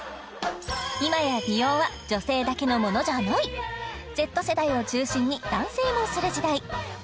今や美容は女性だけのものじゃないＺ世代を中心に男性もする時代